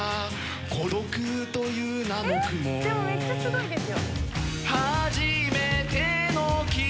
え、でもめっちゃすごいですよ。